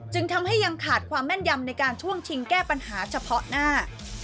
จึงทำให้ยังขาดความแม่นยำในการช่วงชิงแก้ปัญหาเฉพาะหน้า